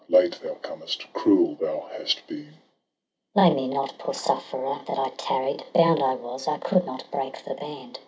Late thou comest, cruel thou hast been. Iseult. Blame me not, poor sufferer! that I tarried; Bound I was, I could not break the band.